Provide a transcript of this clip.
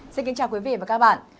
xin kính chào quý vị và các bạn